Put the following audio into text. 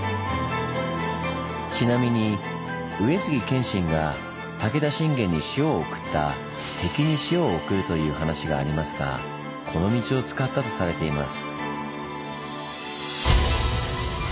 ちなみに上杉謙信が武田信玄に塩を送った「敵に塩を送る」という話がありますがこの道を使ったとされています。